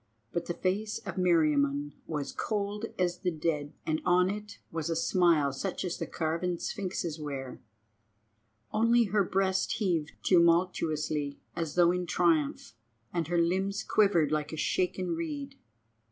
But the face of Meriamun was cold as the dead, and on it was a smile such as the carven sphinxes wear. Only her breast heaved tumultuously as though in triumph, and her limbs quivered like a shaken reed.